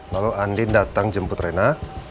lalu andi datang jemput reina